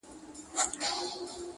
د دې ژوندیو له کتاره به وتلی یمه!!